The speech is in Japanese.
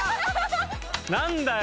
何だよ！